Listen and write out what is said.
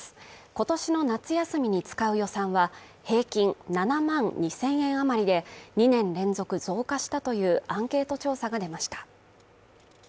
今年の夏休みに使う予算は平均７万２０００円余りで２年連続増加したというアンケート調査が出ました。